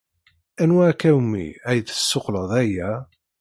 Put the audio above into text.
Anwa akka umi ay d-tessuqqleḍ aya?